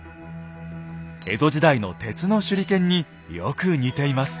江戸時代の鉄の手裏剣によく似ています。